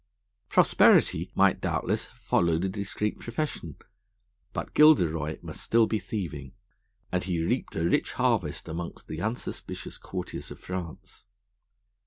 Prosperity might doubtless have followed a discreet profession, but Gilderoy must still be thieving, and he reaped a rich harvest among the unsuspicious courtiers of France.